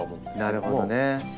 なるほどね。